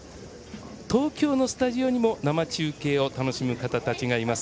東京のスタジオにも生中継を楽しむ方がいます。